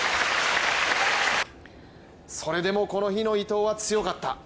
それでも、この日の伊藤は強かった。